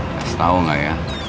kasih tau gak ya